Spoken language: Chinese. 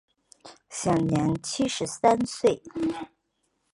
享年七十三岁。